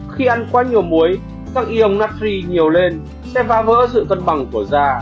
khi ăn quá nhiều muối các ion natri nhiều lên sẽ phá vỡ sự cân bằng của da